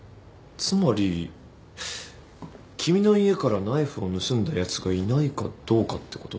つまり君の家からナイフを盗んだやつがいないかどうかってこと？